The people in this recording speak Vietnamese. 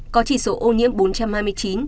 có chỉ số ô nhiễm bốn trăm hai mươi chín